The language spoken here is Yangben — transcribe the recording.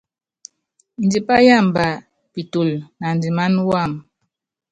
Ndipá yámba pitulu naandimána wam.